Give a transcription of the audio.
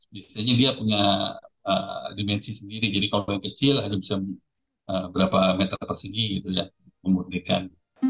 biasanya dia punya dimensi sendiri jadi kalau yang kecil ada bisa beberapa meter persegi memudirkan